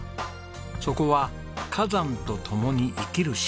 そこは火山と共に生きる島。